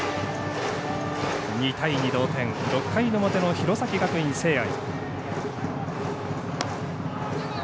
２対２、同点６回の表の弘前学院聖愛。